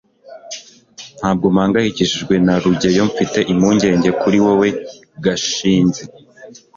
ntabwo mpangayikishijwe na rugeyo mfite impungenge kuri wewe, gashinzi